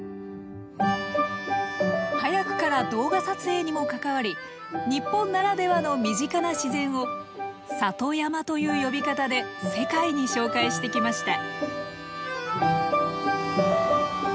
早くから動画撮影にも関わり日本ならではの身近な自然を「里山」という呼び方で世界に紹介してきました。